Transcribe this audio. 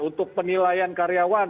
untuk penilaian karyawan